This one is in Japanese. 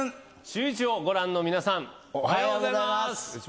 シューイチをご覧の皆さん、おはようございます。